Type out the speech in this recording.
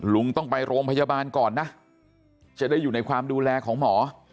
ลุงต้องไปโรงพยาบาลก่อนนะจะได้อยู่ในความดูแลของหมอ